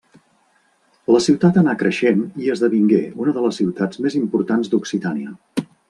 La ciutat anà creixent i esdevingué una de les ciutats més importants d'Occitània.